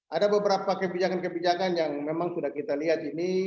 ada beberapa kebijakan kebijakan yang memang sudah kita lihat ini